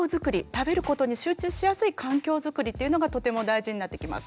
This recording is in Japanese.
食べることに集中しやすい環境づくりっていうのがとても大事になってきます。